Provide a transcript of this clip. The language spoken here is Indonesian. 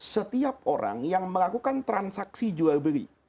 setiap orang yang melakukan transaksi jual beli